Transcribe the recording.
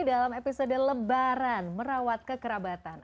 dalam episode lebaran merawat kekerabatan